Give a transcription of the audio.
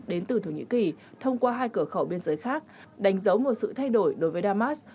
đến từ thổ nhĩ kỳ thông qua hai cửa khẩu biên giới khác đánh dấu một sự thay đổi đối với damas